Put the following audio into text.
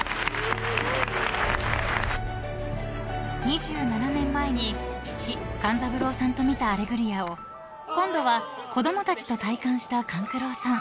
［２７年前に父勘三郎さんと見た『アレグリア』を今度は子供たちと体感した勘九郎さん］